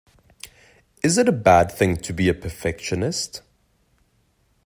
Is it a bad thing to be a perfectionist?